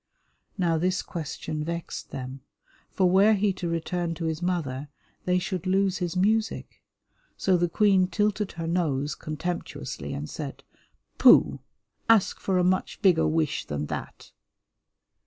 Now this question vexed them, for were he to return to his mother they should lose his music, so the Queen tilted her nose contemptuously and said, "Pooh, ask for a much bigger wish than that."